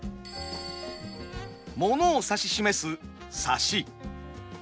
物を指し示すサシ。